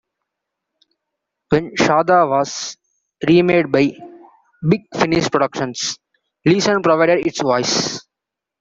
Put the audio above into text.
When "Shada" was remade by Big Finish Productions, Leeson provided its voice.